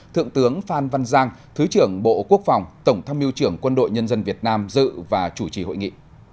thượng tướng phan văn giang thứ trưởng bộ quốc phòng tổng tham mưu trưởng quân đội nhân dân việt nam dự và chủ trì hội nghị